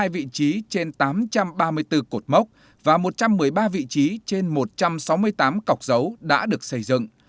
hai vị trí trên tám trăm ba mươi bốn cột mốc và một trăm một mươi ba vị trí trên một trăm sáu mươi tám cọc dấu đã được xây dựng